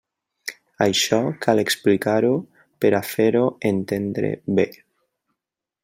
Això cal explicar-ho per a fer-ho entendre bé.